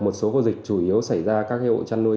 một số dịch chủ yếu xảy ra các ổ chăn nuôi